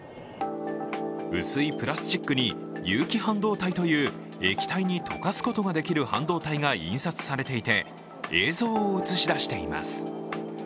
薄いプラスチックに有機半導体という液体に溶かすことができる半導体が印刷されていて、映像を映し出しています。